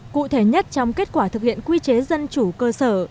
cụ thể nhất trong kết quả thực hiện quy chế dân chủ cơ sở